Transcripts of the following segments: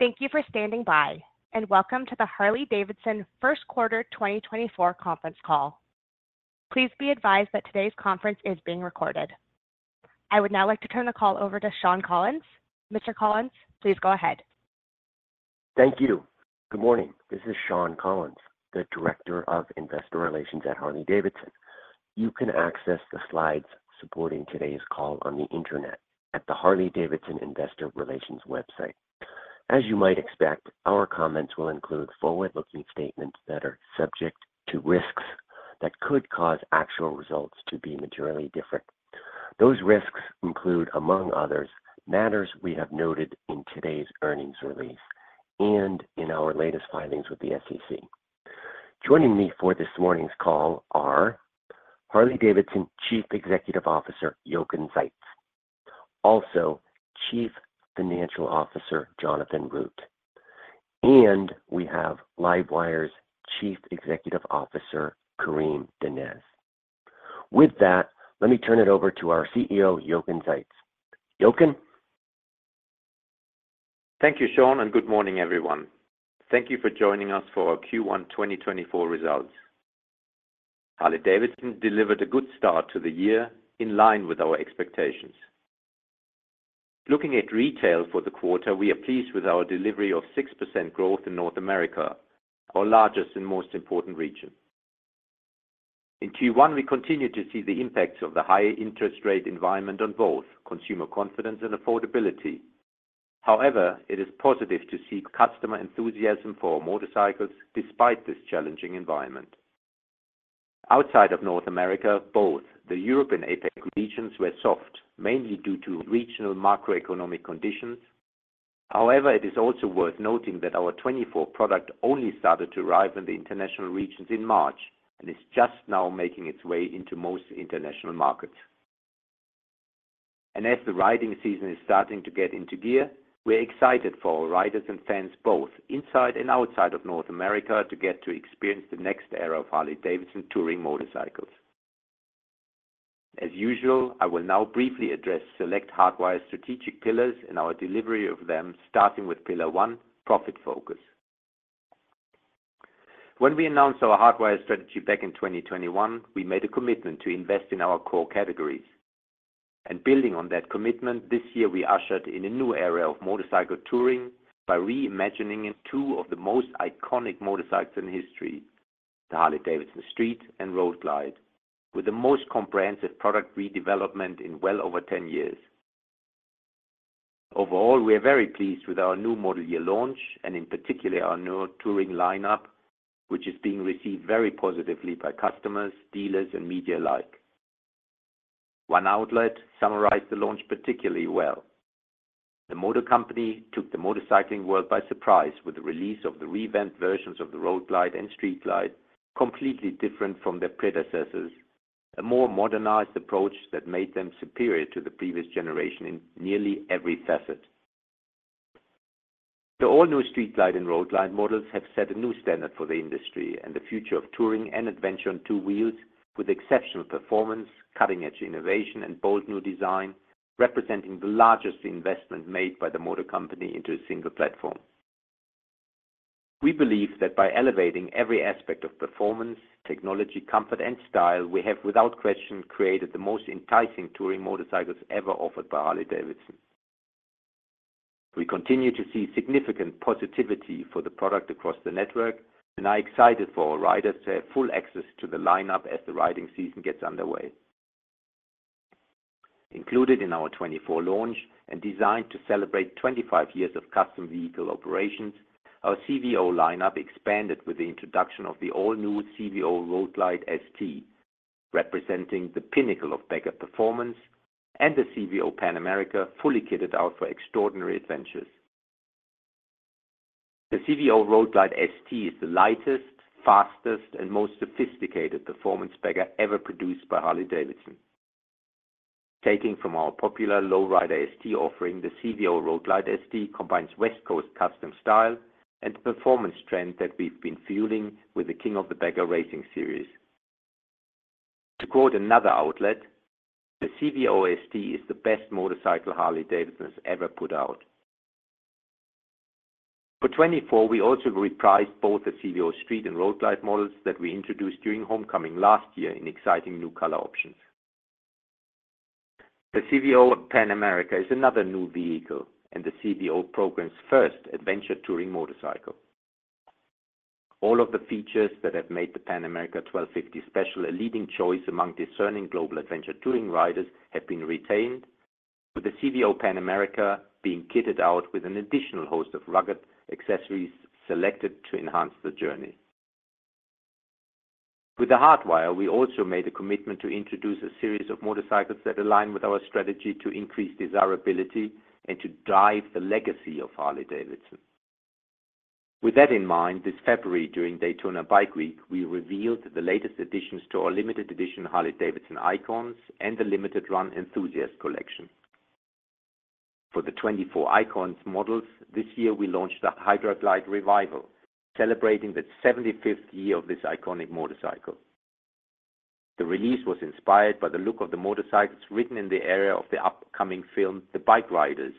Thank you for standing by and welcome to the Harley-Davidson First Quarter 2024 conference call. Please be advised that today's conference is being recorded. I would now like to turn the call over to Shawn Collins. Mr. Collins, please go ahead. Thank you. Good morning. This is Shawn Collins, the Director of Investor Relations at Harley-Davidson. You can access the slides supporting today's call on the internet at the Harley-Davidson Investor Relations website. As you might expect, our comments will include forward-looking statements that are subject to risks that could cause actual results to be materially different. Those risks include, among others, matters we have noted in today's earnings release and in our latest filings with the SEC. Joining me for this morning's call are Harley-Davidson Chief Executive Officer Jochen Zeitz, Chief Financial Officer Jonathan Root, and we have LiveWire's Chief Executive Officer Karim Donnez. With that, let me turn it over to our CEO, Jochen Zeitz. Jochen? Thank you, Shawn, and good morning, everyone. Thank you for joining us for our Q1 2024 results. Harley-Davidson delivered a good start to the year in line with our expectations. Looking at retail for the quarter, we are pleased with our delivery of 6% growth in North America, our largest and most important region. In Q1, we continue to see the impacts of the high interest rate environment on both consumer confidence and affordability. However, it is positive to see customer enthusiasm for motorcycles despite this challenging environment. Outside of North America, both the Europe and APEC regions were soft, mainly due to regional macroeconomic conditions. However, it is also worth noting that our 2024 product only started to arrive in the international regions in March and is just now making its way into most international markets. As the riding season is starting to get into gear, we're excited for our riders and fans both inside and outside of North America to get to experience the next era of Harley-Davidson touring motorcycles. As usual, I will now briefly address select Hardwire strategic pillars in our delivery of them, starting with Pillar one, profit focus. When we announced our Hardwire strategy back in 2021, we made a commitment to invest in our core categories. Building on that commitment, this year we ushered in a new era of motorcycle touring by reimagining two of the most iconic motorcycles in history, the Harley-Davidson Street Glide and Road Glide, with the most comprehensive product redevelopment in well over 10 years. Overall, we are very pleased with our new model year launch and in particular our new touring lineup, which is being received very positively by customers, dealers, and media alike. One outlet summarized the launch particularly well: "The motor company took the motorcycling world by surprise with the release of the revamped versions of the Road Glide and Street Glide, completely different from their predecessors, a more modernized approach that made them superior to the previous generation in nearly every facet." The all-new Street Glide and Road Glide models have set a new standard for the industry and the future of touring and adventure on two wheels with exceptional performance, cutting-edge innovation, and bold new design, representing the largest investment made by the motor company into a single platform. We believe that by elevating every aspect of performance, technology, comfort, and style, we have, without question, created the most enticing touring motorcycles ever offered by Harley-Davidson. We continue to see significant positivity for the product across the network, and I'm excited for our riders to have full access to the lineup as the riding season gets underway. Included in our 2024 launch and designed to celebrate 25 years of custom vehicle operations, our CVO lineup expanded with the introduction of the all-new CVO Road Glide ST, representing the pinnacle of bagger performance, and the CVO Pan America, fully kitted out for extraordinary adventures. The CVO Road Glide ST is the lightest, fastest, and most sophisticated performance bagger ever produced by Harley-Davidson. Taking from our popular Low Rider ST offering, the CVO Road Glide ST combines West Coast custom style and performance trend that we've been fueling with the King of the Baggers. To quote another outlet, "The CVO ST is the best motorcycle Harley-Davidson has ever put out." For 2024, we also repriced both the CVO Street Glide and Road Glide models that we introduced during Homecoming last year in exciting new color options. The CVO Pan America is another new vehicle and the CVO program's first adventure touring motorcycle. All of the features that have made the Pan America 1250 Special a leading choice among discerning global adventure touring riders have been retained, with the CVO Pan America being kitted out with an additional host of rugged accessories selected to enhance the journey. With the Hardwire, we also made a commitment to introduce a series of motorcycles that align with our strategy to increase desirability and to drive the legacy of Harley-Davidson. With that in mind, this February during Daytona Bike Week, we revealed the latest additions to our limited edition Harley-Davidson Icons and the limited run Enthusiast collection. For the 2024 Icons models, this year we launched the Hydra-Glide Revival, celebrating the 75th year of this iconic motorcycle. The release was inspired by the look of the motorcycles ridden in the era of the upcoming film The Bikeriders,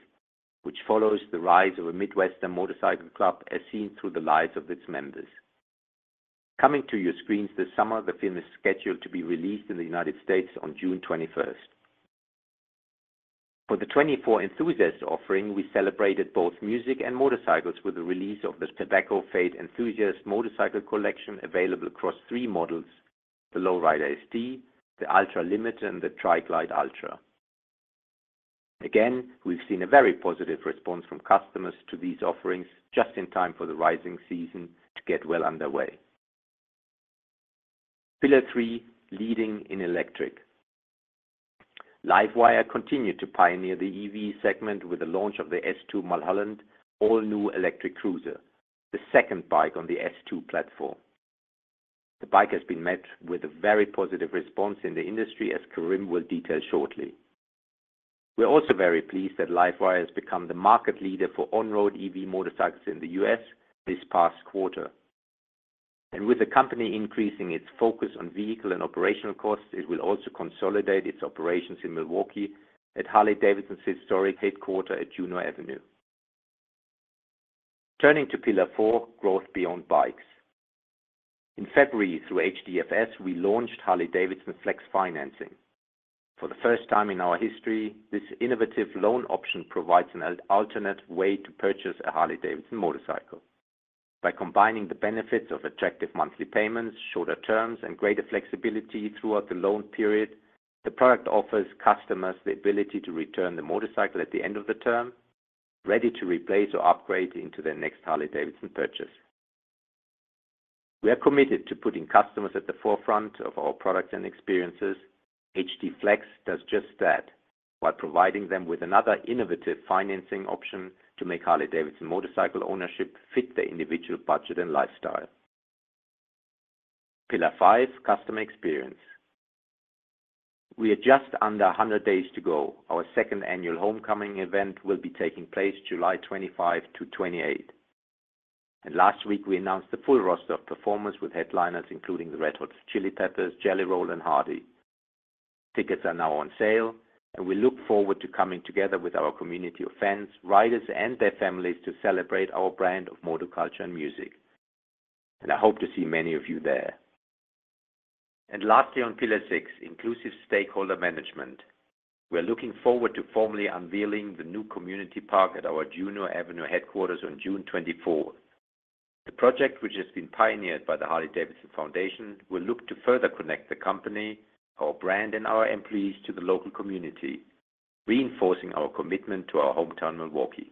which follows the rise of a Midwestern motorcycle club as seen through the lives of its members. Coming to your screens this summer, the film is scheduled to be released in the United States on June 21st. For the 2024 Enthusiast offering, we celebrated both music and motorcycles with the release of the Tobacco Fade Enthusiast Collection available across three models: the Low Rider ST, the Ultra Limited, and the Tri Glide Ultra. Again, we've seen a very positive response from customers to these offerings just in time for the riding season to get well underway. Pillar three, leading in electric. LiveWire continued to pioneer the EV segment with the launch of the S2 Mulholland, all-new electric cruiser, the second bike on the S2 platform. The bike has been met with a very positive response in the industry, as Karim will detail shortly. We're also very pleased that LiveWire has become the market leader for on-road EV motorcycles in the U.S. this past quarter. And with the company increasing its focus on vehicle and operational costs, it will also consolidate its operations in Milwaukee at Harley-Davidson's historic headquarters at Juneau Avenue. Turning to Pillar four, growth beyond bikes. In February, through HDFS, we launched Harley-Davidson Flex Financing. For the first time in our history, this innovative loan option provides an alternate way to purchase a Harley-Davidson motorcycle. By combining the benefits of attractive monthly payments, shorter terms, and greater flexibility throughout the loan period, the product offers customers the ability to return the motorcycle at the end of the term, ready to replace or upgrade into their next Harley-Davidson purchase. We are committed to putting customers at the forefront of our products and experiences. H-D Flex does just that while providing them with another innovative financing option to make Harley-Davidson motorcycle ownership fit their individual budget and lifestyle. Pillar five, customer experience. We are just under 100 days to go. Our second annual homecoming event will be taking place July 25 to 28. Last week, we announced the full roster of performers with headliners including the Red Hot Chili Peppers, Jelly Roll, and Hardy. Tickets are now on sale, and we look forward to coming together with our community of fans, riders, and their families to celebrate our brand of motor culture and music. I hope to see many of you there. Lastly on Pillar six, inclusive stakeholder management. We are looking forward to formally unveiling the new community park at our Juneau Avenue headquarters on June 24. The project, which has been pioneered by the Harley-Davidson Foundation, will look to further connect the company, our brand, and our employees to the local community, reinforcing our commitment to our hometown Milwaukee.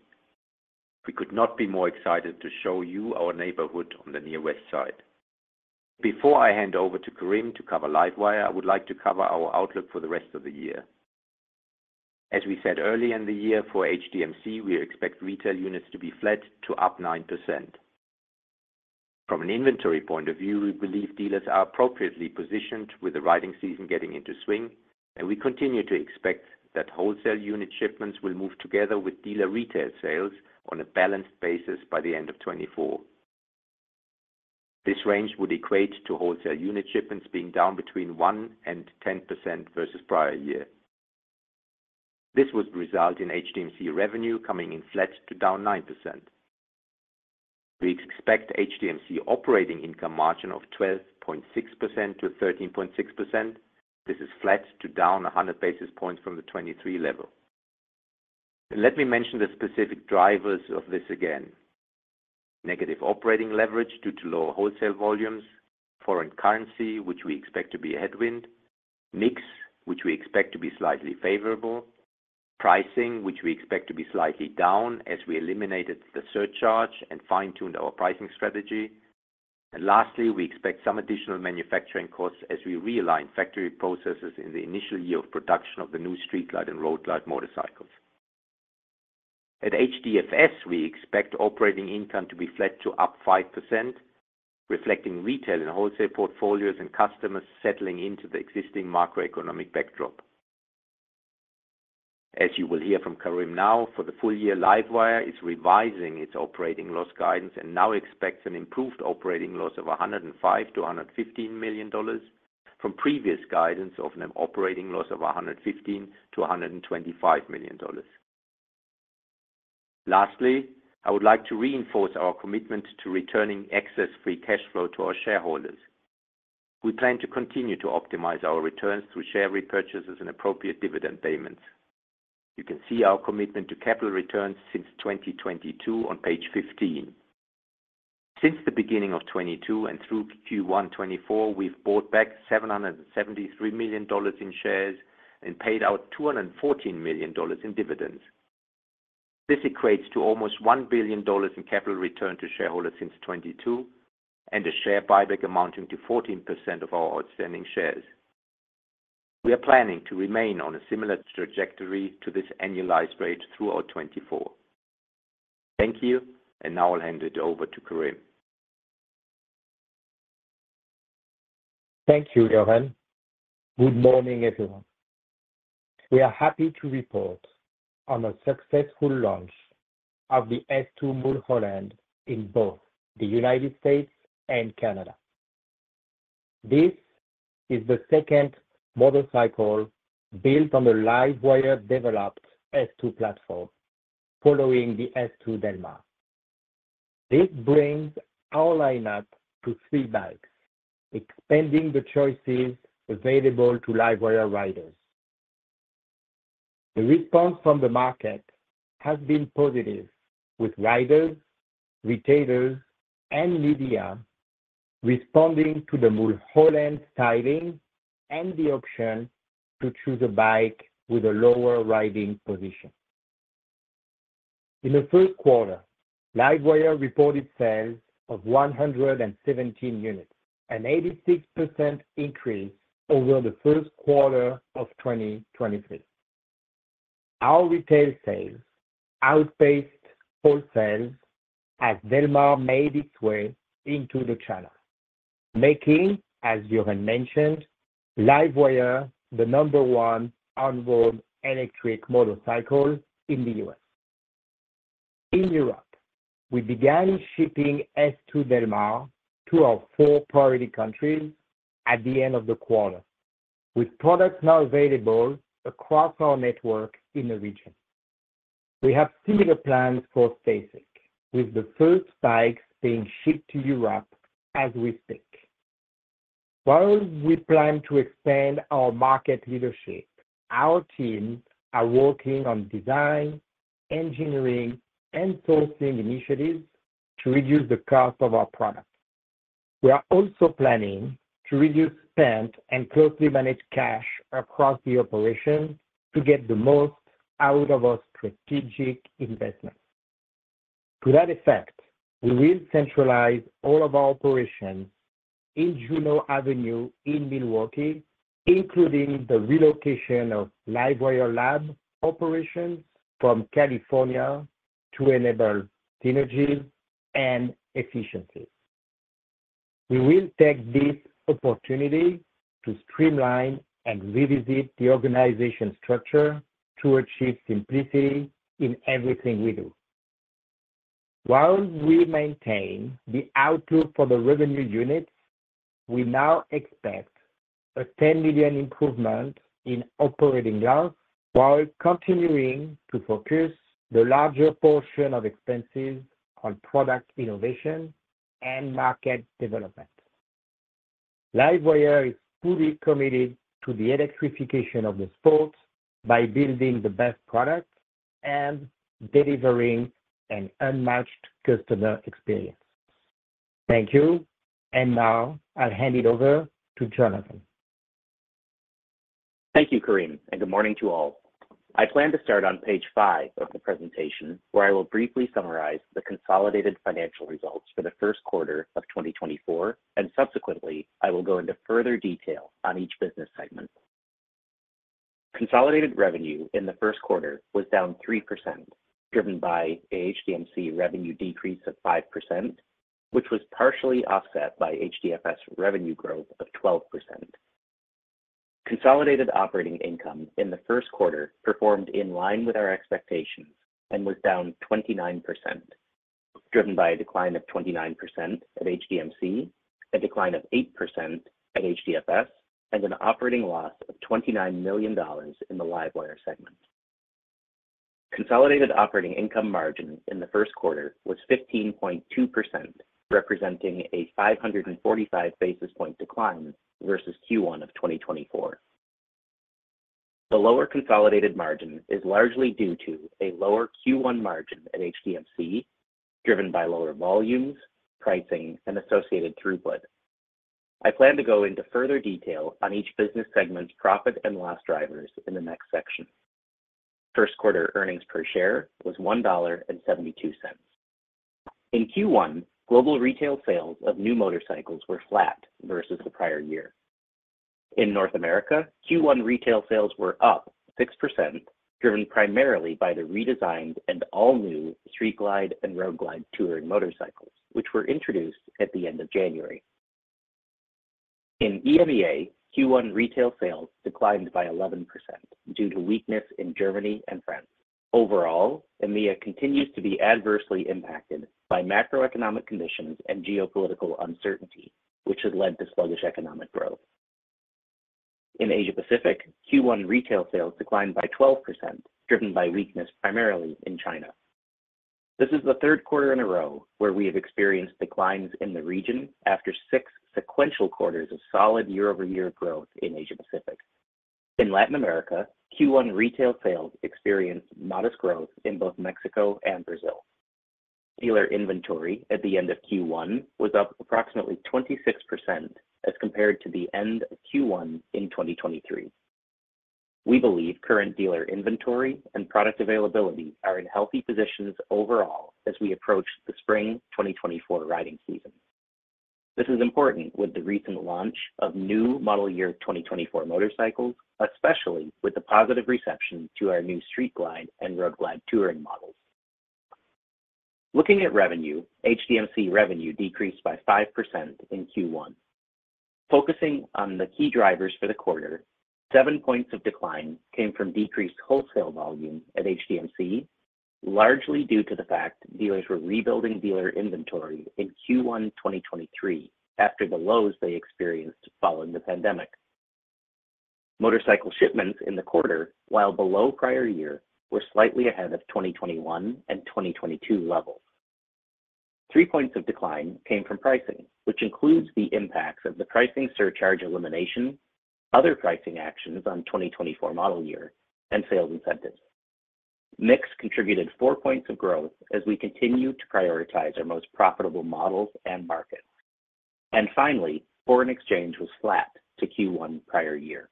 We could not be more excited to show you our neighborhood on the near west side. Before I hand over to Karim to cover LiveWire, I would like to cover our outlook for the rest of the year. As we said earlier in the year, for HDMC, we expect retail units to be flat to up 9%. From an inventory point of view, we believe dealers are appropriately positioned with the riding season getting into swing, and we continue to expect that wholesale unit shipments will move together with dealer retail sales on a balanced basis by the end of 2024. This range would equate to wholesale unit shipments being down between 1% and 10% versus prior year. This would result in HDMC revenue coming in flat to down 9%. We expect HDMC operating income margin of 12.6%-13.6%. This is flat to down 100 basis points from the 2023 level. Let me mention the specific drivers of this again: negative operating leverage due to lower wholesale volumes, foreign currency, which we expect to be a headwind, Mix, which we expect to be slightly favorable, pricing, which we expect to be slightly down as we eliminated the surcharge and fine-tuned our pricing strategy. And lastly, we expect some additional manufacturing costs as we realign factory processes in the initial year of production of the new Street Glide and Road Glide motorcycles. At HDFS, we expect operating income to be flat to up 5%, reflecting retail and wholesale portfolios and customers settling into the existing macroeconomic backdrop. As you will hear from Karim now, for the full year, LiveWire is revising its operating loss guidance and now expects an improved operating loss of $105 million-$115 million from previous guidance of an operating loss of $115 million-$125 million. Lastly, I would like to reinforce our commitment to returning excess free cash flow to our shareholders. We plan to continue to optimize our returns through share repurchases and appropriate dividend payments. You can see our commitment to capital returns since 2022 on page 15. Since the beginning of 2022 and through Q1 2024, we've bought back $773 million in shares and paid out $214 million in dividends. This equates to almost $1 billion in capital return to shareholders since 2022 and a share buyback amounting to 14% of our outstanding shares. We are planning to remain on a similar trajectory to this annualized rate throughout 2024. Thank you, and now I'll hand it over to Karim. Thank you, Jochen. Good morning, everyone. We are happy to report on a successful launch of the S2 Mulholland in both the United States and Canada. This is the second motorcycle built on the LiveWire developed S2 platform, following the S2 Del Mar. This brings our lineup to three bikes, expanding the choices available to LiveWire riders. The response from the market has been positive, with riders, retailers, and media responding to the Mulholland styling and the option to choose a bike with a lower riding position. In the first quarter, LiveWire reported sales of 117 units, an 86% increase over the first quarter of 2023. Our retail sales outpaced wholesales as Del Mar made its way into the channel, making, as Jochen mentioned, LiveWire the number one on-road electric motorcycle in the U.S. In Europe, we began shipping S2 Del Mar to our four priority countries at the end of the quarter, with products now available across our network in the region. We have similar plans for STACYC, with the first bikes being shipped to Europe as we speak. While we plan to expand our market leadership, our teams are working on design, engineering, and sourcing initiatives to reduce the cost of our products. We are also planning to reduce spend and closely manage cash across the operation to get the most out of our strategic investments. To that effect, we will centralize all of our operations in Juneau Avenue in Milwaukee, including the relocation of LiveWire Lab operations from California to enable synergy and efficiency. We will take this opportunity to streamline and revisit the organization structure to achieve simplicity in everything we do. While we maintain the outlook for the revenue units, we now expect a $10 million improvement in operating loss while continuing to focus the larger portion of expenses on product innovation and market development. LiveWire is fully committed to the electrification of the sport by building the best product and delivering an unmatched customer experience. Thank you, and now I'll hand it over to Jonathan. Thank you, Karim, and good morning to all. I plan to start on page five of the presentation, where I will briefly summarize the consolidated financial results for the first quarter of 2024, and subsequently, I will go into further detail on each business segment. Consolidated revenue in the first quarter was down 3%, driven by HDMC revenue decrease of 5%, which was partially offset by HDFS revenue growth of 12%. Consolidated operating income in the first quarter performed in line with our expectations and was down 29%, driven by a decline of 29% at HDMC, a decline of 8% at HDFS, and an operating loss of $29 million in the LiveWire segment. Consolidated operating income margin in the first quarter was 15.2%, representing a 545 basis point decline versus Q1 of 2024. The lower consolidated margin is largely due to a lower Q1 margin at HDMC, driven by lower volumes, pricing, and associated throughput. I plan to go into further detail on each business segment's profit and loss drivers in the next section. First quarter earnings per share was $1.72. In Q1, global retail sales of new motorcycles were flat versus the prior year. In North America, Q1 retail sales were up 6%, driven primarily by the redesigned and all-new Street Glide and Road Glide touring motorcycles, which were introduced at the end of January. In EMEA, Q1 retail sales declined by 11% due to weakness in Germany and France. Overall, EMEA continues to be adversely impacted by macroeconomic conditions and geopolitical uncertainty, which has led to sluggish economic growth. In Asia-Pacific, Q1 retail sales declined by 12%, driven by weakness primarily in China. This is the third quarter in a row where we have experienced declines in the region after six sequential quarters of solid year-over-year growth in Asia-Pacific. In Latin America, Q1 retail sales experienced modest growth in both Mexico and Brazil. Dealer inventory at the end of Q1 was up approximately 26% as compared to the end of Q1 in 2023. We believe current dealer inventory and product availability are in healthy positions overall as we approach the spring 2024 riding season. This is important with the recent launch of new model year 2024 motorcycles, especially with the positive reception to our new Street Glide and Road Glide touring models. Looking at revenue, HDMC revenue decreased by 5% in Q1. Focusing on the key drivers for the quarter, seven points of decline came from decreased wholesale volume at HDMC, largely due to the fact dealers were rebuilding dealer inventory in Q1 2023 after the lows they experienced following the pandemic. Motorcycle shipments in the quarter, while below prior year, were slightly ahead of 2021 and 2022 levels. Three points of decline came from pricing, which includes the impacts of the pricing surcharge elimination, other pricing actions on 2024 model year, and sales incentives. Mix contributed four points of growth as we continue to prioritize our most profitable models and markets. And finally, foreign exchange was flat to Q1 prior year.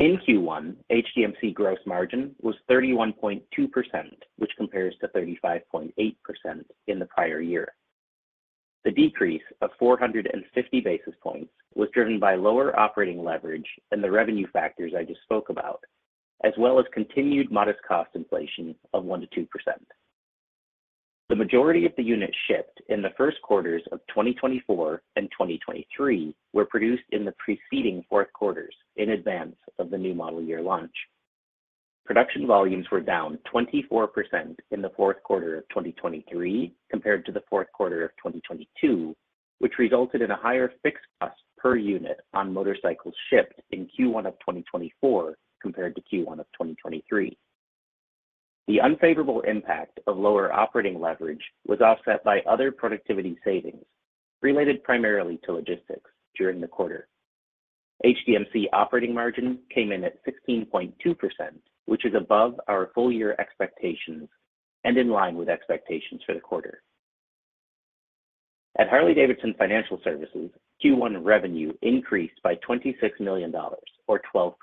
In Q1, HDMC gross margin was 31.2%, which compares to 35.8% in the prior year. The decrease of 450 basis points was driven by lower operating leverage and the revenue factors I just spoke about, as well as continued modest cost inflation of 1%-2%. The majority of the units shipped in the first quarters of 2024 and 2023 were produced in the preceding fourth quarters in advance of the new model year launch. Production volumes were down 24% in the fourth quarter of 2023 compared to the fourth quarter of 2022, which resulted in a higher fixed cost per unit on motorcycles shipped in Q1 of 2024 compared to Q1 of 2023. The unfavorable impact of lower operating leverage was offset by other productivity savings related primarily to logistics during the quarter. HDMC operating margin came in at 16.2%, which is above our full year expectations and in line with expectations for the quarter. At Harley-Davidson Financial Services, Q1 revenue increased by $26 million, or 12%,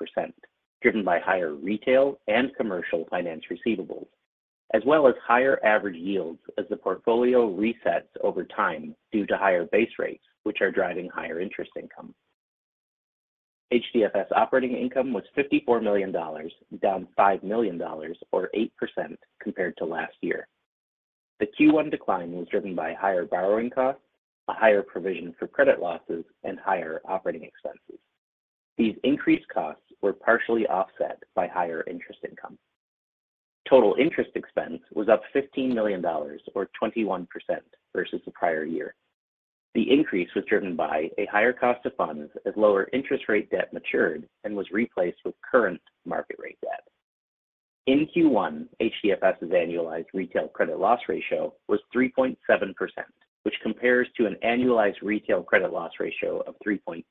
driven by higher retail and commercial finance receivables, as well as higher average yields as the portfolio resets over time due to higher base rates, which are driving higher interest income. HDFS operating income was $54 million, down $5 million, or 8% compared to last year. The Q1 decline was driven by higher borrowing costs, a higher provision for credit losses, and higher operating expenses. These increased costs were partially offset by higher interest income. Total interest expense was up $15 million, or 21%, versus the prior year. The increase was driven by a higher cost of funds as lower interest rate debt matured and was replaced with current market rate debt. In Q1, HDFS's annualized retail credit loss ratio was 3.7%, which compares to an annualized retail credit loss ratio of 3.2%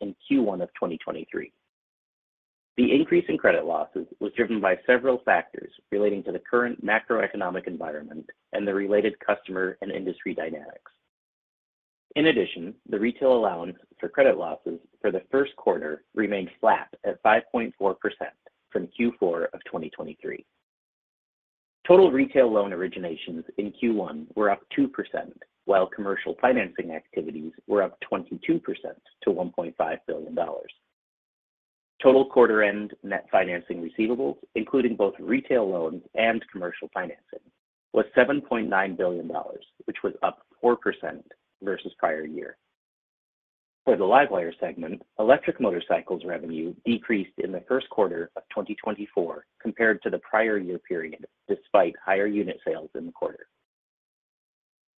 in Q1 of 2023. The increase in credit losses was driven by several factors relating to the current macroeconomic environment and the related customer and industry dynamics. In addition, the retail allowance for credit losses for the first quarter remained flat at 5.4% from Q4 of 2023. Total retail loan originations in Q1 were up 2%, while commercial financing activities were up 22% to $1.5 billion. Total quarter-end net financing receivables, including both retail loans and commercial financing, was $7.9 billion, which was up 4% versus prior year. For the LiveWire segment, electric motorcycles revenue decreased in the first quarter of 2024 compared to the prior year period despite higher unit sales in the quarter.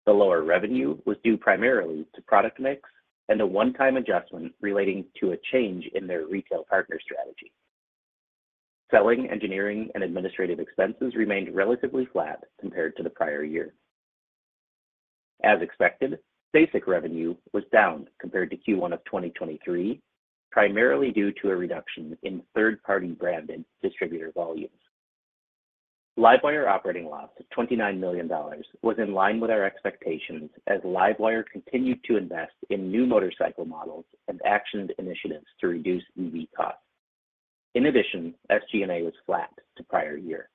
The lower revenue was due primarily to product mix and a one-time adjustment relating to a change in their retail partner strategy. Selling, engineering, and administrative expenses remained relatively flat compared to the prior year. As expected, STACYC revenue was down compared to Q1 of 2023, primarily due to a reduction in third-party branded distributor volumes. LiveWire operating loss of $29 million was in line with our expectations as LiveWire continued to invest in new motorcycle models and actioned initiatives to reduce EV costs. In addition, SG&A was flat to prior year.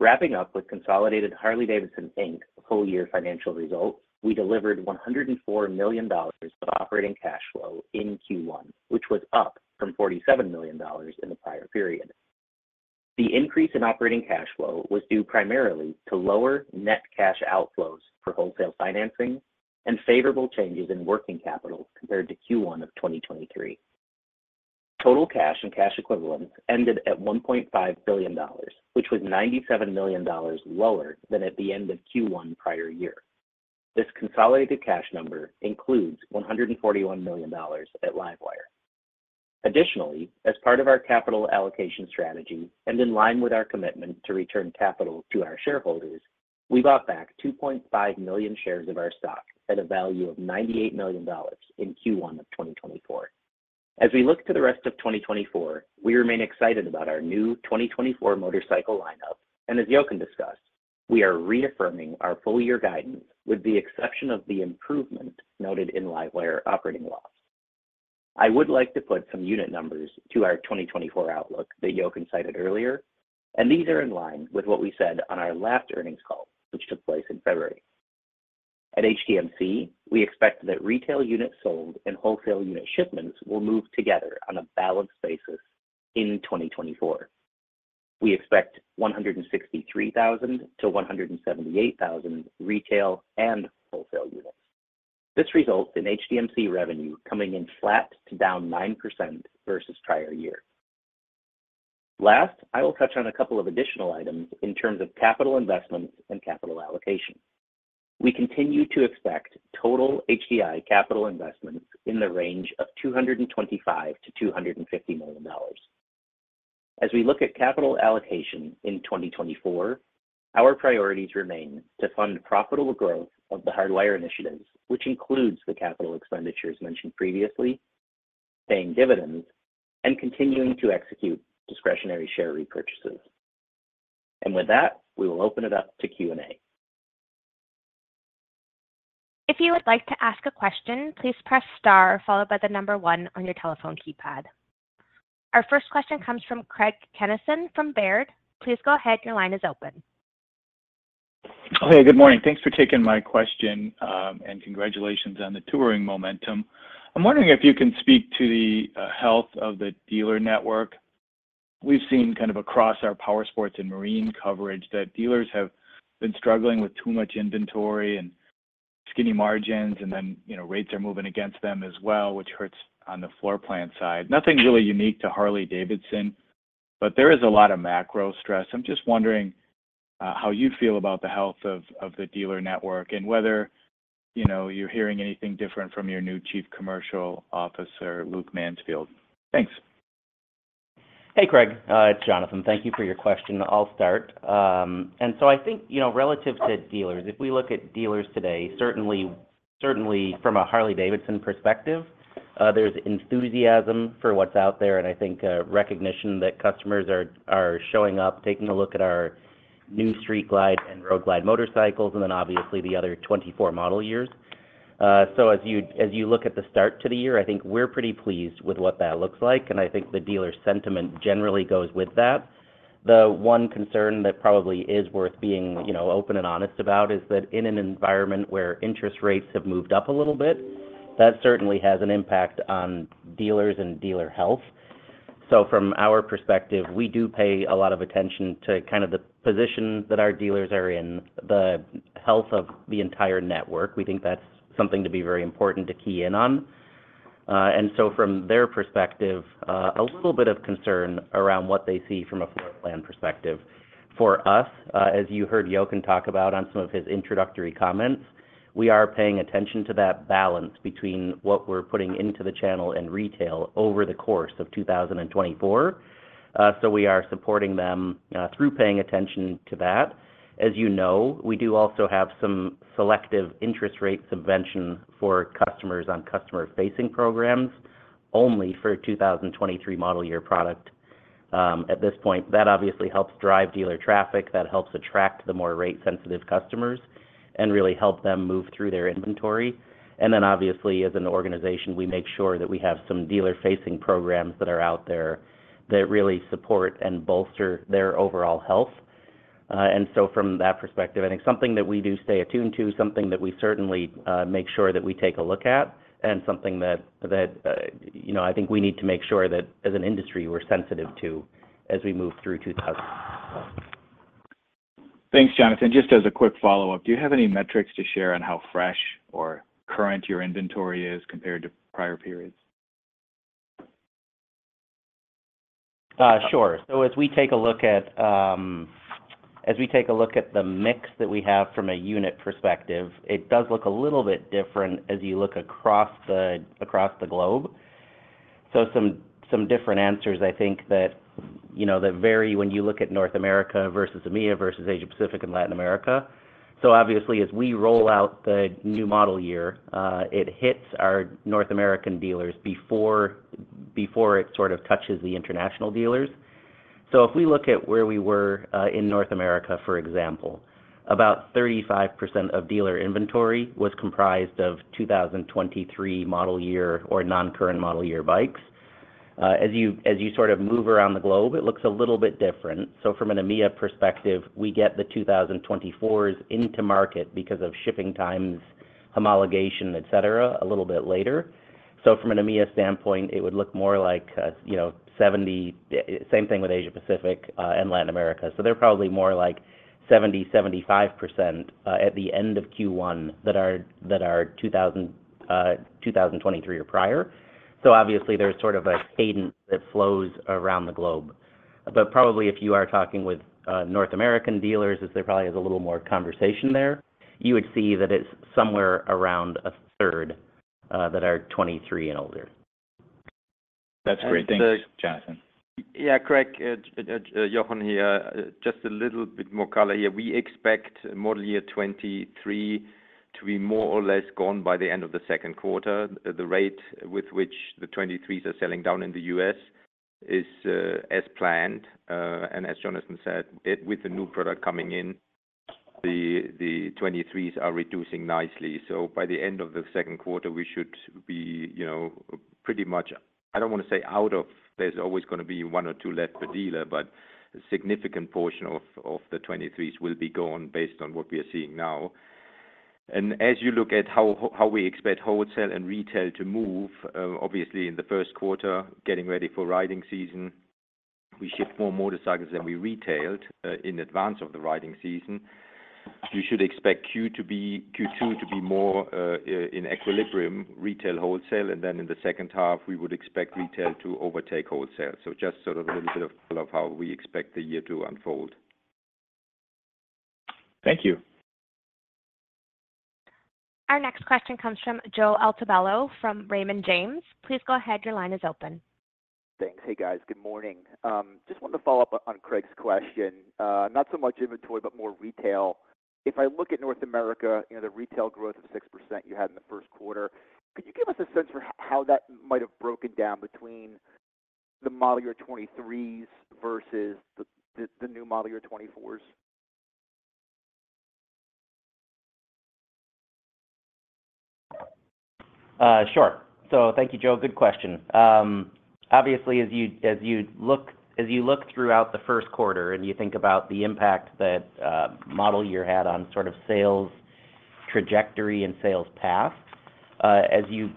Wrapping up with consolidated Harley-Davidson, Inc., full year financial results, we delivered $104 million of operating cash flow in Q1, which was up from $47 million in the prior period. The increase in operating cash flow was due primarily to lower net cash outflows for wholesale financing and favorable changes in working capital compared to Q1 of 2023. Total cash and cash equivalents ended at $1.5 billion, which was $97 million lower than at the end of Q1 prior year. This consolidated cash number includes $141 million at LiveWire. Additionally, as part of our capital allocation strategy and in line with our commitment to return capital to our shareholders, we bought back 2.5 million shares of our stock at a value of $98 million in Q1 of 2024. As we look to the rest of 2024, we remain excited about our new 2024 motorcycle lineup, and as Jochen discussed, we are reaffirming our full year guidance with the exception of the improvement noted in LiveWire operating loss. I would like to put some unit numbers to our 2024 outlook that Jochen cited earlier, and these are in line with what we said on our last earnings call, which took place in February. At HDMC, we expect that retail units sold and wholesale unit shipments will move together on a balanced basis in 2024. We expect 163,000-178,000 retail and wholesale units. This results in HDMC revenue coming in flat to down 9% versus prior year. Last, I will touch on a couple of additional items in terms of capital investments and capital allocation. We continue to expect total HDI capital investments in the range of $225 million-$250 million. As we look at capital allocation in 2024, our priorities remain to fund profitable growth of the Hardwire initiatives, which includes the capital expenditures mentioned previously, paying dividends, and continuing to execute discretionary share repurchases. And with that, we will open it up to Q&A. If you would like to ask a question, please press star followed by the number one on your telephone keypad. Our first question comes from Craig Kennison from Baird. Please go ahead. Your line is open. Okay. Good morning. Thanks for taking my question, and congratulations on the touring momentum. I'm wondering if you can speak to the health of the dealer network. We've seen kind of across our power sports and marine coverage that dealers have been struggling with too much inventory and skinny margins, and then rates are moving against them as well, which hurts on the floor plan side. Nothing really unique to Harley-Davidson, but there is a lot of macro stress. I'm just wondering how you feel about the health of the dealer network and whether you're hearing anything different from your new Chief Commercial Officer, Luke Mansfield. Thanks. Hey, Craig. It's Jonathan. Thank you for your question. I'll start. And so I think relative to dealers, if we look at dealers today, certainly from a Harley-Davidson perspective, there's enthusiasm for what's out there, and I think recognition that customers are showing up, taking a look at our new Street Glide and Road Glide motorcycles, and then obviously the other 2024 model years. As you look at the start to the year, I think we're pretty pleased with what that looks like, and I think the dealer sentiment generally goes with that. The one concern that probably is worth being open and honest about is that in an environment where interest rates have moved up a little bit, that certainly has an impact on dealers and dealer health. From our perspective, we do pay a lot of attention to kind of the position that our dealers are in, the health of the entire network. We think that's something to be very important to key in on. So from their perspective, a little bit of concern around what they see from a floor plan perspective. For us, as you heard Jochen talk about on some of his introductory comments, we are paying attention to that balance between what we're putting into the channel and retail over the course of 2024. So we are supporting them through paying attention to that. As you know, we do also have some selective interest rate subvention for customers on customer-facing programs only for 2023 model year product. At this point, that obviously helps drive dealer traffic. That helps attract the more rate-sensitive customers and really help them move through their inventory. And then obviously, as an organization, we make sure that we have some dealer-facing programs that are out there that really support and bolster their overall health. So from that perspective, I think something that we do stay attuned to, something that we certainly make sure that we take a look at, and something that I think we need to make sure that as an industry, we're sensitive to as we move through. Thanks, Jonathan. Just as a quick follow-up, do you have any metrics to share on how fresh or current your inventory is compared to prior periods? Sure. So as we take a look at the mix that we have from a unit perspective, it does look a little bit different as you look across the globe. So some different answers, I think, that vary when you look at North America versus EMEA versus Asia-Pacific and Latin America. So obviously, as we roll out the new model year, it hits our North American dealers before it sort of touches the international dealers. So if we look at where we were in North America, for example, about 35% of dealer inventory was comprised of 2023 model year or non-current model year bikes. As you sort of move around the globe, it looks a little bit different. So from an EMEA perspective, we get the 2024s into market because of shipping times, homologation, etc., a little bit later. So from an EMEA standpoint, it would look more like 70 same thing with Asia-Pacific and Latin America. So they're probably more like 70%-75% at the end of Q1 that are 2023 or prior. So obviously, there's sort of a cadence that flows around the globe. But probably if you are talking with North American dealers, as there probably is a little more conversation there, you would see that it's somewhere around a third that are 2023 and older. That's great. Thanks, Jonathan. Yeah, Craig. Jochen here. Just a little bit more color here. We expect model year 2023 to be more or less gone by the end of the second quarter. The rate with which the 2023s are selling down in the U.S. is as planned. And as Jonathan said, with the new product coming in, the 2023s are reducing nicely. So by the end of the second quarter, we should be pretty much. I don't want to say out of. There's always going to be one or two left per dealer, but a significant portion of the 2023s will be gone based on what we are seeing now. As you look at how we expect wholesale and retail to move, obviously, in the first quarter, getting ready for riding season, we ship more motorcycles than we retailed in advance of the riding season. You should expect Q2 to be more in equilibrium, retail wholesale, and then in the second half, we would expect retail to overtake wholesale. So just sort of a little bit of color of how we expect the year to unfold. Thank you. Our next question comes from Joe Altobello from Raymond James. Please go ahead. Your line is open. Thanks. Hey, guys. Good morning. Just wanted to follow up on Craig's question, not so much inventory but more retail. If I look at North America, the retail growth of 6% you had in the first quarter, could you give us a sense for how that might have broken down between the model year 2023s versus the new model year 2024s? Sure. So thank you, Joe. Good question. Obviously, as you look throughout the first quarter and you think about the impact that model year had on sort of sales trajectory and sales path, as you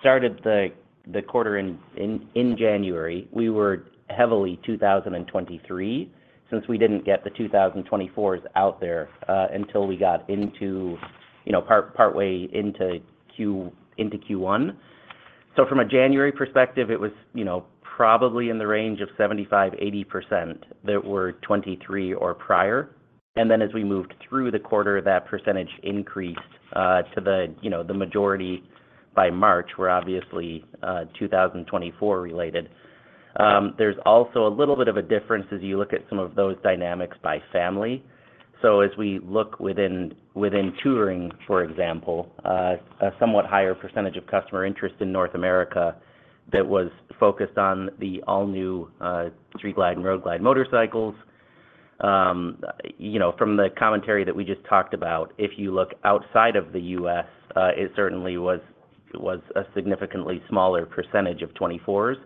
started the quarter in January, we were heavily 2023 since we didn't get the 2024s out there until we got partway into Q1. So from a January perspective, it was probably in the range of 75%-80% that were 2023 or prior. And then as we moved through the quarter, that percentage increased to the majority by March, were obviously 2024-related. There's also a little bit of a difference as you look at some of those dynamics by family. So as we look within touring, for example, a somewhat higher percentage of customer interest in North America that was focused on the all-new Street Glide and Road Glide motorcycles. From the commentary that we just talked about, if you look outside of the U.S., it certainly was a significantly smaller percentage of '2024s.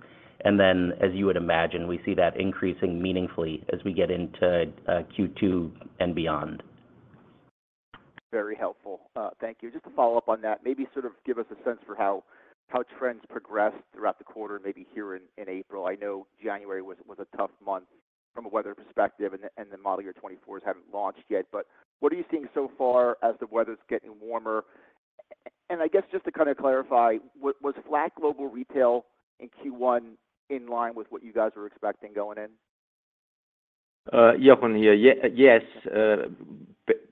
And then as you would imagine, we see that increasing meaningfully as we get into Q2 and beyond. Very helpful. Thank you. Just to follow up on that, maybe sort of give us a sense for how trends progressed throughout the quarter, maybe here in April. I know January was a tough month from a weather perspective, and the model year '2024s hadn't launched yet. But what are you seeing so far as the weather's getting warmer? And I guess just to kind of clarify, was flat global retail in Q1 in line with what you guys were expecting going in? Jochen here. Yes.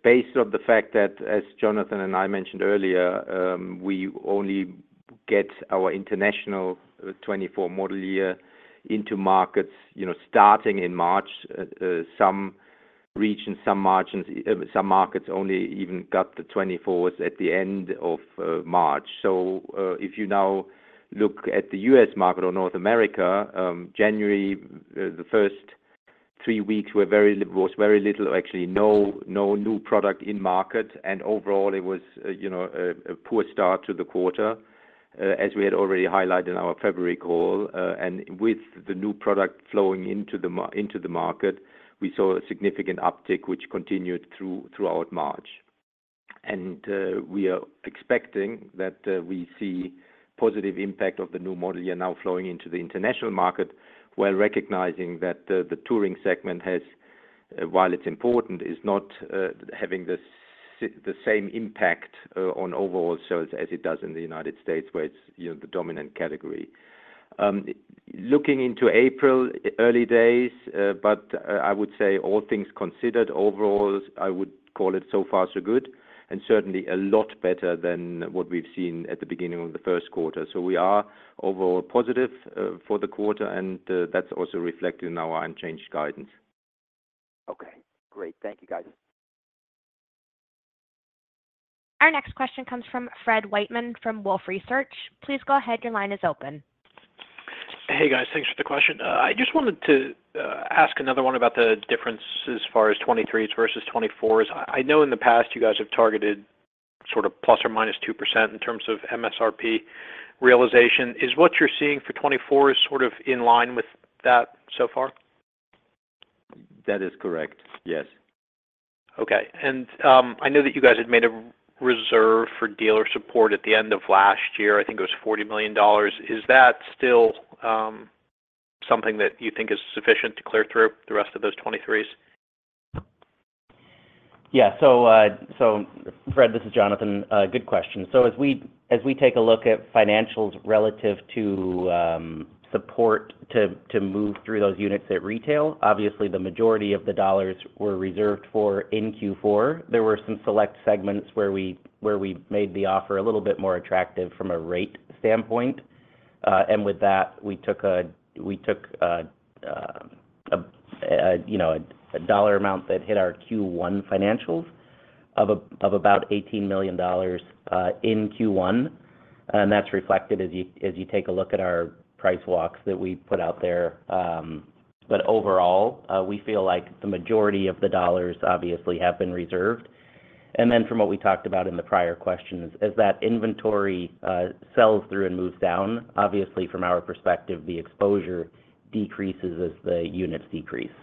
Based off the fact that, as Jonathan and I mentioned earlier, we only get our international 2024 model year into markets starting in March. Some regions, some markets only even got the 2024s at the end of March. So if you now look at the U.S. market or North America, January, the first three weeks was very little or actually no new product in market. And overall, it was a poor start to the quarter, as we had already highlighted in our February call. And with the new product flowing into the market, we saw a significant uptick, which continued throughout March. We are expecting that we see positive impact of the new model year now flowing into the international market while recognizing that the touring segment, while it's important, is not having the same impact on overall sales as it does in the United States, where it's the dominant category. Looking into April, early days, but I would say all things considered, overall, I would call it so far so good and certainly a lot better than what we've seen at the beginning of the first quarter. So we are overall positive for the quarter, and that's also reflected in our unchanged guidance. Okay. Great. Thank you, guys. Our next question comes from Fred Wightman from Wolfe Research. Please go ahead. Your line is open. Hey, guys. Thanks for the question. I just wanted to ask another one about the difference as far as 2023s versus 2024s. I know in the past, you guys have targeted sort of ±2% in terms of MSRP realization. Is what you're seeing for 2024s sort of in line with that so far? That is correct. Yes. Okay. And I know that you guys had made a reserve for dealer support at the end of last year. I think it was $40 million. Is that still something that you think is sufficient to clear through the rest of those 2023s? Yeah. So Fred, this is Jonathan. Good question. So as we take a look at financials relative to support to move through those units at retail, obviously, the majority of the dollars were reserved for in Q4. There were some select segments where we made the offer a little bit more attractive from a rate standpoint. With that, we took a dollar amount that hit our Q1 financials of about $18 million in Q1. That's reflected as you take a look at our price walks that we put out there. Overall, we feel like the majority of the dollars obviously have been reserved. Then from what we talked about in the prior questions, as that inventory sells through and moves down, obviously, from our perspective, the exposure decreases as the units decrease.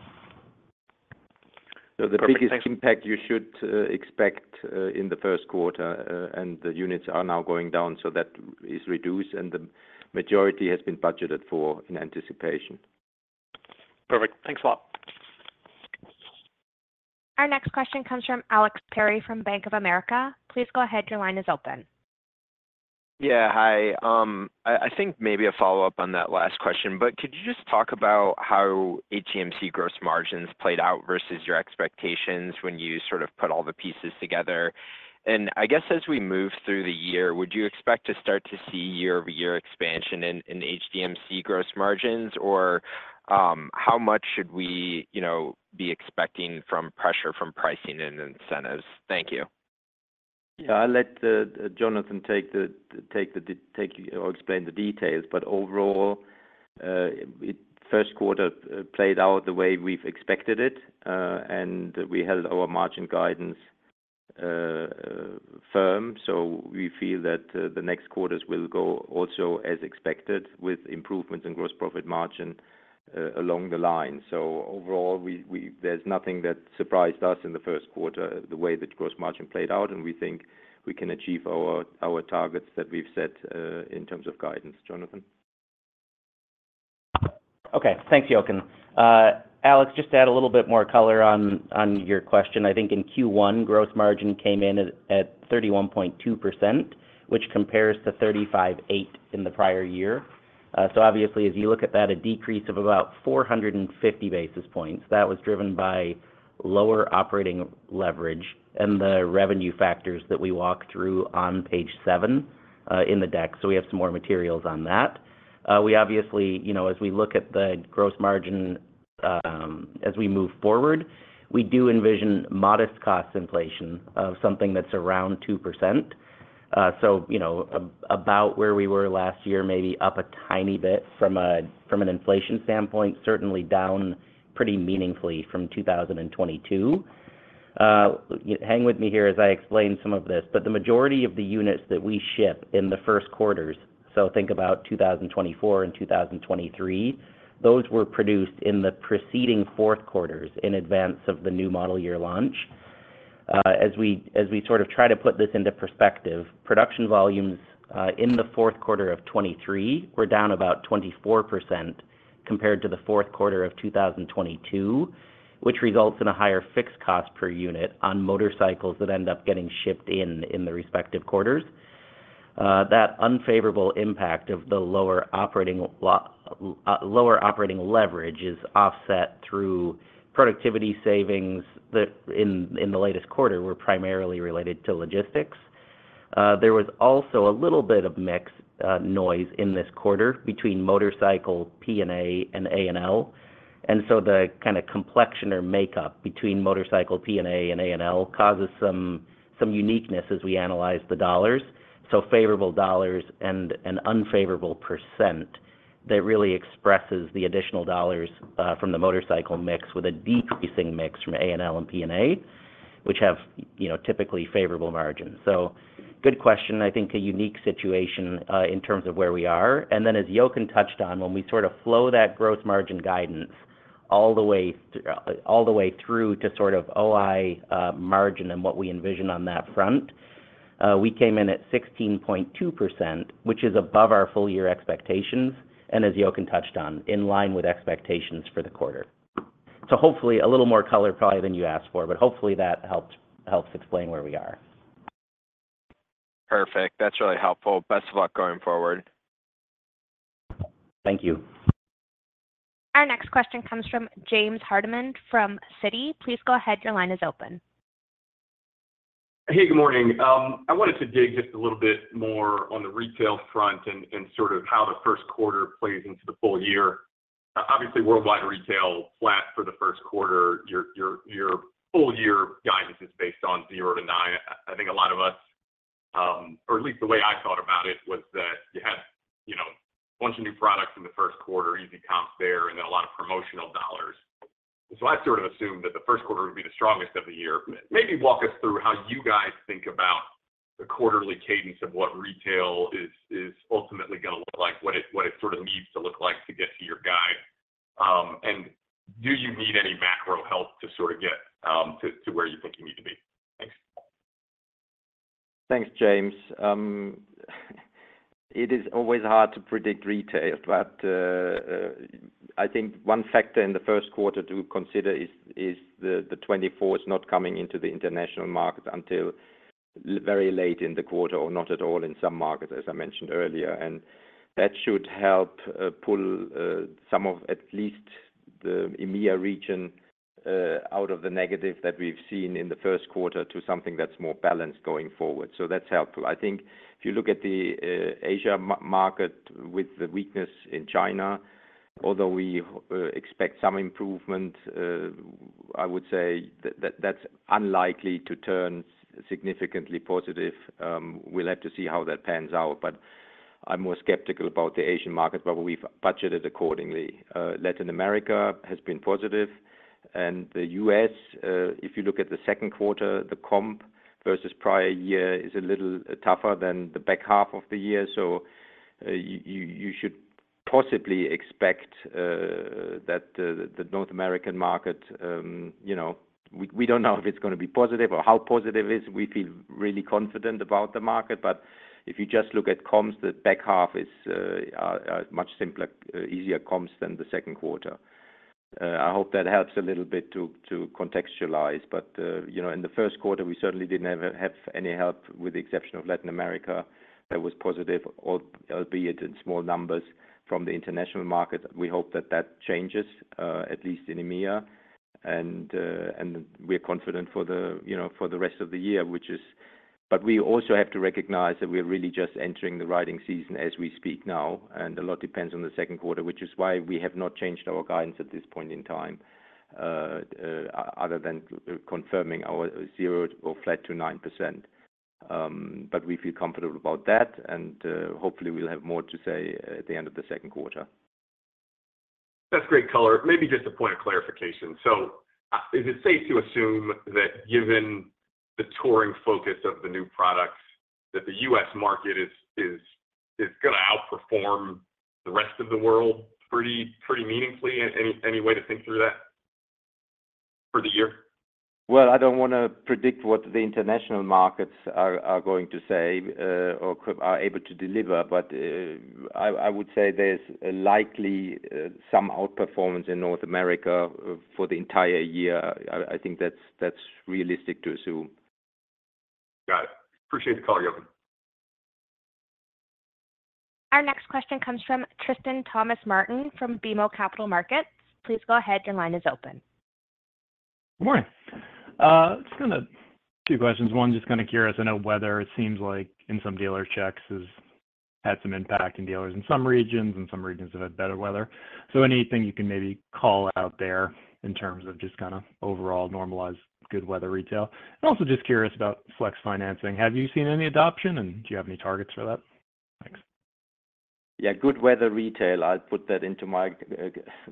The biggest impact you should expect in the first quarter, and the units are now going down, so that is reduced, and the majority has been budgeted for in anticipation. Perfect. Thanks a lot. Our next question comes from Alex Perry from Bank of America. Please go ahead. Your line is open. Yeah. Hi. I think maybe a follow-up on that last question, but could you just talk about how HDMC gross margins played out versus your expectations when you sort of put all the pieces together? And I guess as we move through the year, would you expect to start to see year-over-year expansion in HDMC gross margins, or how much should we be expecting from pressure from pricing and incentives? Thank you. Yeah. I'll let Jonathan take or explain the details. But overall, first quarter played out the way we've expected it, and we held our margin guidance firm. So we feel that the next quarters will go also as expected with improvements in gross profit margin along the line. So overall, there's nothing that surprised us in the first quarter, the way that gross margin played out. And we think we can achieve our targets that we've set in terms of guidance, Jonathan. Okay. Thanks, Jochen. Alex, just to add a little bit more color on your question, I think in Q1, gross margin came in at 31.2%, which compares to 35.8% in the prior year. So obviously, as you look at that, a decrease of about 450 basis points, that was driven by lower operating leverage and the revenue factors that we walk through on page seven in the deck. So we have some more materials on that. We obviously, as we look at the gross margin as we move forward, we do envision modest cost inflation of something that's around 2%. So about where we were last year, maybe up a tiny bit from an inflation standpoint, certainly down pretty meaningfully from 2022. Hang with me here as I explain some of this. The majority of the units that we ship in the first quarters, so think about 2024 and 2023, those were produced in the preceding fourth quarters in advance of the new model year launch. As we sort of try to put this into perspective, production volumes in the fourth quarter of 2023 were down about 24% compared to the fourth quarter of 2022, which results in a higher fixed cost per unit on motorcycles that end up getting shipped in the respective quarters. That unfavorable impact of the lower operating leverage is offset through productivity savings in the latest quarter were primarily related to logistics. There was also a little bit of mixed noise in this quarter between motorcycle P&A and A&L. And so the kind of complexion or makeup between motorcycle P&A and A&L causes some uniqueness as we analyze the dollars. So favorable dollars and an unfavorable percent that really expresses the additional dollars from the motorcycle mix with a decreasing mix from A&L and P&A, which have typically favorable margins. So good question. I think a unique situation in terms of where we are. And then as Jochen touched on, when we sort of flow that gross margin guidance all the way through to sort of OI margin and what we envision on that front, we came in at 16.2%, which is above our full-year expectations. And as Jochen touched on, in line with expectations for the quarter. So hopefully, a little more color probably than you asked for, but hopefully, that helps explain where we are. Perfect. That's really helpful. Best of luck going forward. Thank you. Our next question comes from James Hardiman from Citi. Please go ahead. Your line is open. Hey. Good morning. I wanted to dig just a little bit more on the retail front and sort of how the first quarter plays into the full year. Obviously, worldwide retail flat for the first quarter. Your full-year guidance is based on 0%-9%. I think a lot of us or at least the way I thought about it was that you had a bunch of new products in the first quarter, easy comps there, and then a lot of promotional dollars. And so I sort of assumed that the first quarter would be the strongest of the year. Maybe walk us through how you guys think about the quarterly cadence of what retail is ultimately going to look like, what it sort of needs to look like to get to your guide. And do you need any macro help to sort of get to where you think you need to be? Thanks. Thanks, James. It is always hard to predict retail, but I think one factor in the first quarter to consider is the 2024s not coming into the international markets until very late in the quarter or not at all in some markets, as I mentioned earlier. That should help pull some of at least the EMEA region out of the negative that we've seen in the first quarter to something that's more balanced going forward. That's helpful. I think if you look at the Asia market with the weakness in China, although we expect some improvement, I would say that that's unlikely to turn significantly positive. We'll have to see how that pans out. I'm more skeptical about the Asian market, but we've budgeted accordingly. Latin America has been positive. The U.S., if you look at the second quarter, the comp versus prior year is a little tougher than the back half of the year. So you should possibly expect that the North American market we don't know if it's going to be positive or how positive it is. We feel really confident about the market. But if you just look at comps, the back half are much simpler, easier comps than the second quarter. I hope that helps a little bit to contextualize. But in the first quarter, we certainly didn't have any help with the exception of Latin America. That was positive, albeit in small numbers, from the international market. We hope that that changes, at least in EMEA. And we're confident for the rest of the year, which is, but we also have to recognize that we're really just entering the riding season as we speak now. And a lot depends on the second quarter, which is why we have not changed our guidance at this point in time other than confirming our 0% or flat to 9%. But we feel comfortable about that. And hopefully, we'll have more to say at the end of the second quarter. That's great color. Maybe just a point of clarification. So is it safe to assume that given the touring focus of the new products, that the U.S. market is going to outperform the rest of the world pretty meaningfully? Any way to think through that for the year? Well, I don't want to predict what the international markets are going to say or are able to deliver. But I would say there's likely some outperformance in North America for the entire year. I think that's realistic to assume. Got it. Appreciate the call, Jochen. Our next question comes from Tristan Thomas-Martin from BMO Capital Markets. Please go ahead. Your line is open. Good morning. Just kind of two questions. One, just kind of curious to know whether it seems like in some dealer checks, it's had some impact in dealers in some regions, and some regions have had better weather. So anything you can maybe call out there in terms of just kind of overall normalized good weather retail. And also just curious about flex financing. Have you seen any adoption, and do you have any targets for that? Thanks. Yeah. Good weather retail, I'll put that into my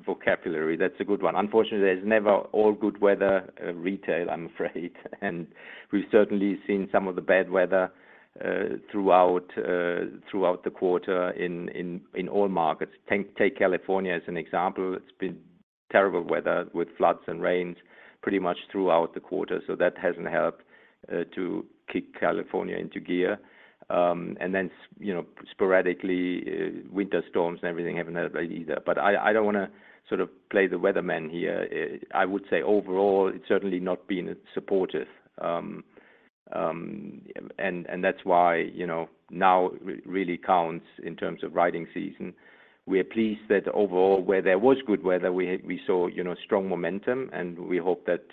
vocabulary. That's a good one. Unfortunately, there's never all good weather retail, I'm afraid. We've certainly seen some of the bad weather throughout the quarter in all markets. Take California as an example. It's been terrible weather with floods and rains pretty much throughout the quarter. So that hasn't helped to kick California into gear. And then sporadically, winter storms and everything haven't helped either. But I don't want to sort of play the weatherman here. I would say overall, it's certainly not been supportive. And that's why now really counts in terms of riding season. We're pleased that overall, where there was good weather, we saw strong momentum, and we hope that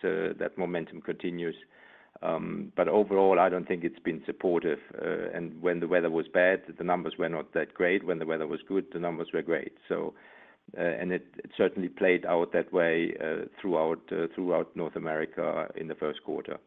momentum continues. But overall, I don't think it's been supportive. And when the weather was bad, the numbers were not that great. When the weather was good, the numbers were great. And it certainly played out that way throughout North America in the first quarter.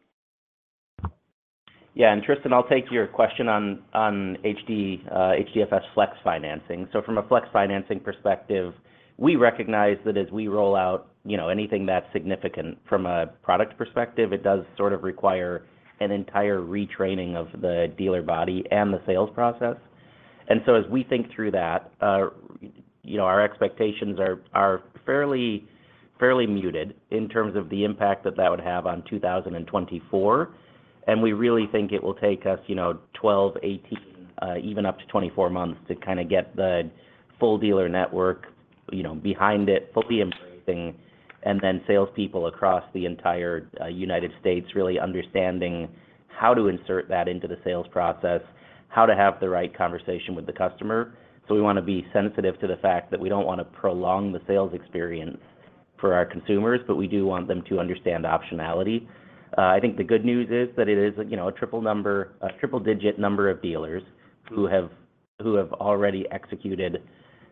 Yeah. Tristan, I'll take your question on HDFS flex financing. So from a flex financing perspective, we recognize that as we roll out anything that's significant from a product perspective, it does sort of require an entire retraining of the dealer body and the sales process. And so as we think through that, our expectations are fairly muted in terms of the impact that that would have on 2024. And we really think it will take us 12, 18, even up to 24 months to kind of get the full dealer network behind it, fully embracing, and then salespeople across the entire United States really understanding how to insert that into the sales process, how to have the right conversation with the customer. So we want to be sensitive to the fact that we don't want to prolong the sales experience for our consumers, but we do want them to understand optionality. I think the good news is that it is a triple-digit number of dealers who have already executed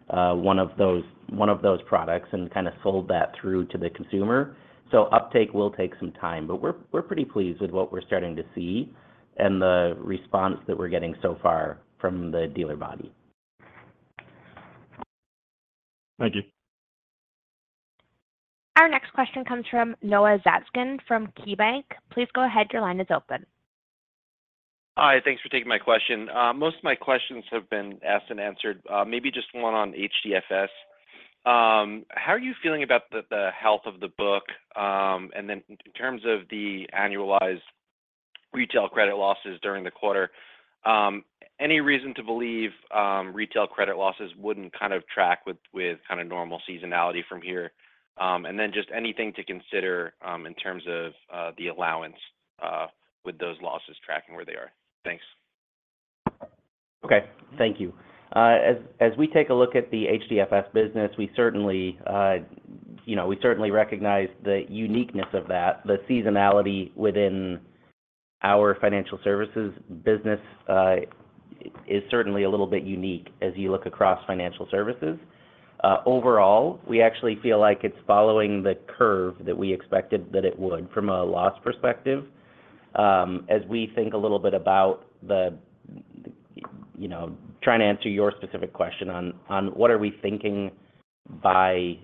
one of those products and kind of sold that through to the consumer. So uptake will take some time, but we're pretty pleased with what we're starting to see and the response that we're getting so far from the dealer body. Thank you. Our next question comes from Noah Zatzkin from KeyBanc. Please go ahead. Your line is open. Hi. Thanks for taking my question. Most of my questions have been asked and answered. Maybe just one on HDFS. How are you feeling about the health of the book? And then in terms of the annualized retail credit losses during the quarter, any reason to believe retail credit losses wouldn't kind of track with kind of normal seasonality from here? And then just anything to consider in terms of the allowance with those losses tracking where they are. Thanks. Okay. Thank you. As we take a look at the HDFS business, we certainly recognize the uniqueness of that. The seasonality within our financial services business is certainly a little bit unique as you look across financial services. Overall, we actually feel like it's following the curve that we expected that it would from a loss perspective. As we think a little bit about the trying to answer your specific question on what are we thinking by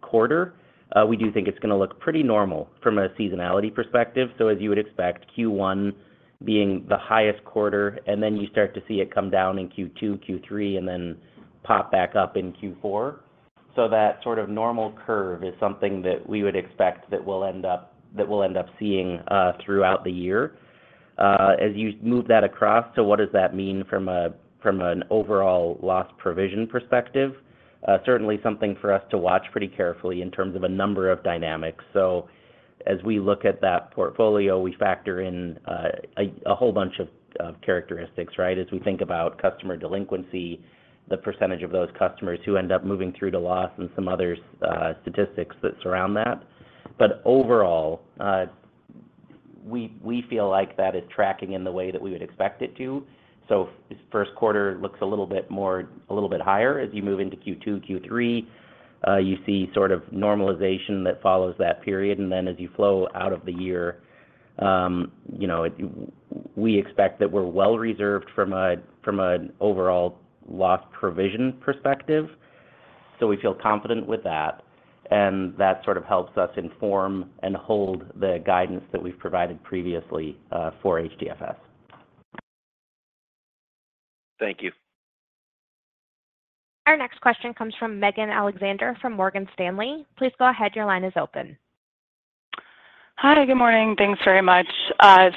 quarter, we do think it's going to look pretty normal from a seasonality perspective. So as you would expect, Q1 being the highest quarter, and then you start to see it come down in Q2, Q3, and then pop back up in Q4. So that sort of normal curve is something that we would expect that we'll end up seeing throughout the year. As you move that across, so what does that mean from an overall loss provision perspective? Certainly something for us to watch pretty carefully in terms of a number of dynamics. So as we look at that portfolio, we factor in a whole bunch of characteristics, right, as we think about customer delinquency, the percentage of those customers who end up moving through to loss, and some other statistics that surround that. But overall, we feel like that is tracking in the way that we would expect it to. So first quarter looks a little bit higher. As you move into Q2, Q3, you see sort of normalization that follows that period. And then as you flow out of the year, we expect that we're well-reserved from an overall loss provision perspective. So we feel confident with that. And that sort of helps us inform and hold the guidance that we've provided previously for HDFS. Thank you. Our next question comes from Megan Alexander from Morgan Stanley. Please go ahead. Your line is open. Hi. Good morning. Thanks very much.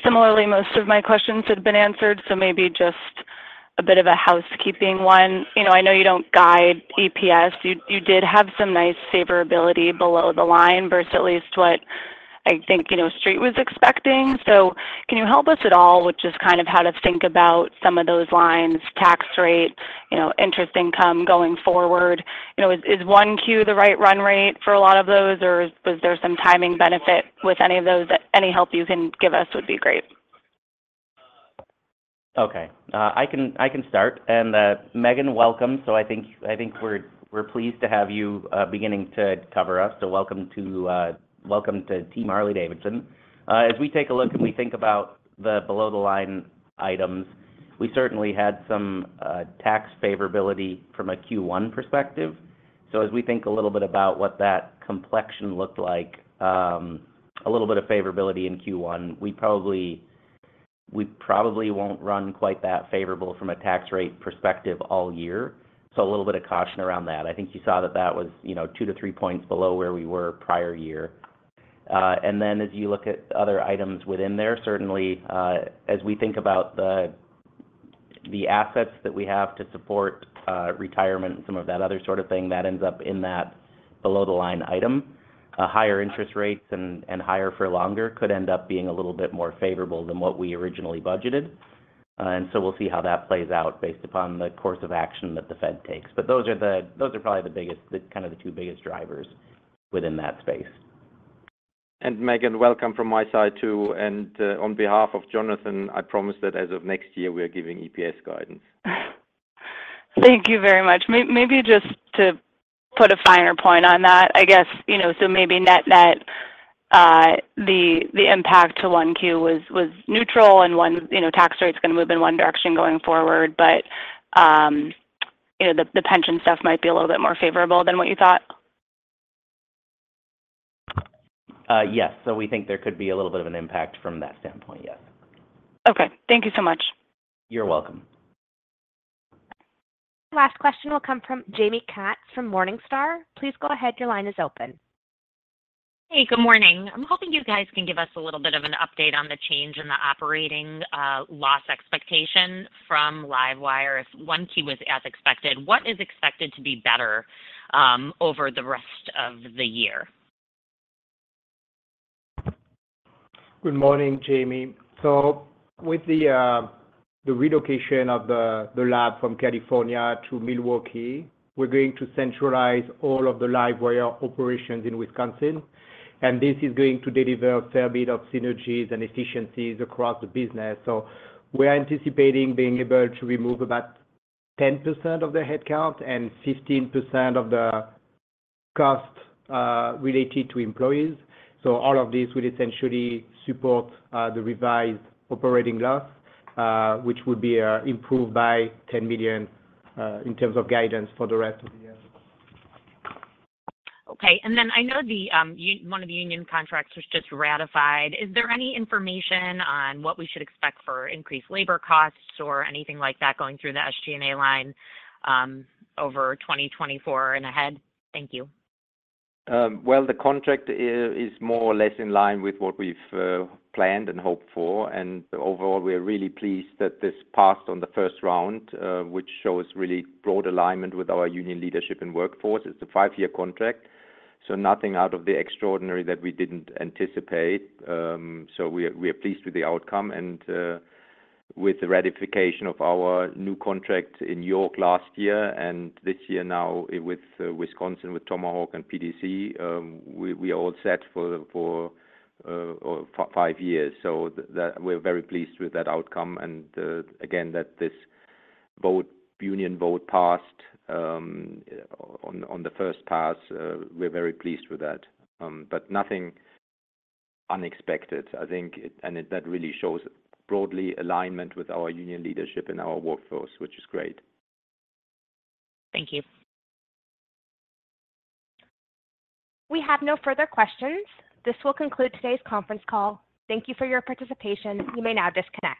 Similarly, most of my questions had been answered, so maybe just a bit of a housekeeping one. I know you don't guide EPS. You did have some nice favorability below the line versus at least what I think Street was expecting. So can you help us at all with just kind of how to think about some of those lines, tax rate, interest income going forward? Is Q1 the right run rate for a lot of those, or was there some timing benefit with any of those? Any help you can give us would be great. Okay. I can start. Megan, welcome. So I think we're pleased to have you beginning to cover us. So welcome to Team Harley-Davidson. As we take a look and we think about the below-the-line items, we certainly had some tax favorability from a Q1 perspective. So as we think a little bit about what that complexion looked like, a little bit of favorability in Q1, we probably won't run quite that favorable from a tax rate perspective all year. So a little bit of caution around that. I think you saw that that was two to three points below where we were prior year. And then as you look at other items within there, certainly, as we think about the assets that we have to support retirement and some of that other sort of thing, that ends up in that below-the-line item. Higher interest rates and higher for longer could end up being a little bit more favorable than what we originally budgeted. And so we'll see how that plays out based upon the course of action that the Fed takes. But those are probably the biggest kind of the two biggest drivers within that space. And Megan, welcome from my side too. And on behalf of Jonathan, I promise that as of next year, we are giving EPS guidance. Thank you very much. Maybe just to put a finer point on that, I guess so maybe net-net, the impact to Q1 was neutral, and tax rate's going to move in one direction going forward. But the pension stuff might be a little bit more favorable than what you thought? Yes. So we think there could be a little bit of an impact from that standpoint. Yes. Okay. Thank you so much. You're welcome. Last question will come from Jaime Katz from Morningstar. Please go ahead. Your line is open. Hey. Good morning. I'm hoping you guys can give us a little bit of an update on the change in the operating loss expectation from LiveWire. If Q1 was as expected, what is expected to be better over the rest of the year? Good morning, Jamie. So with the relocation of the lab from California to Milwaukee, we're going to centralize all of the LiveWire operations in Wisconsin. And this is going to deliver a fair bit of synergies and efficiencies across the business. So we are anticipating being able to remove about 10% of the headcount and 15% of the cost related to employees. So all of this will essentially support the revised operating loss, which would be improved by $10 million in terms of guidance for the rest of the year. Okay. And then I know one of the union contracts was just ratified. Is there any information on what we should expect for increased labor costs or anything like that going through the SG&A line over 2024 and ahead? Thank you. Well, the contract is more or less in line with what we've planned and hoped for. Overall, we are really pleased that this passed on the first round, which shows really broad alignment with our union leadership and workforce. It's a five year contract, so nothing out of the extraordinary that we didn't anticipate. So we are pleased with the outcome. And with the ratification of our new contract in York last year and this year now with Wisconsin, with Tomahawk and PDC, we are all set for 5 years. So we're very pleased with that outcome. And again, that this union vote passed on the first pass, we're very pleased with that. But nothing unexpected, I think. And that really shows broadly alignment with our union leadership and our workforce, which is great. Thank you. We have no further questions. This will conclude today's conference call. Thank you for your participation. You may now disconnect.